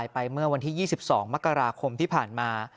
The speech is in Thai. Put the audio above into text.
ไปเมื่อวันที่๒๒มกราคมที่ผ่านมา